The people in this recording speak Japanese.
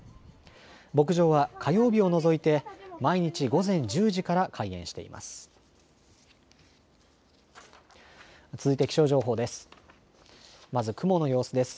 牧場は火曜日を除いて毎日、午前１０時から開園しています。